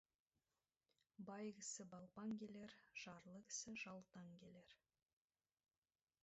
Бай кісі балпаң келер, жарлы кісі жалтаң келер.